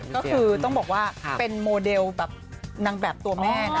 ก็คือต้องบอกว่าเป็นโมเดลแบบนางแบบตัวแม่นะ